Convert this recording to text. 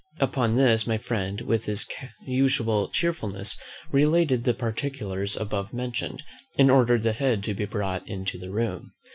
Upon this my friend, with his usual chearfulness, related the particulars above mentioned, and ordered the head to be brought into the room.